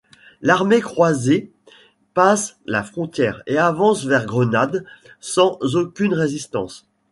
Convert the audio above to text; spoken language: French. L'armée croisée passe la frontière et avance vers Grenade sans aucune résistance.